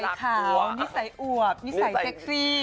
ขาวนิสัยอวบนิสัยเซ็กซี่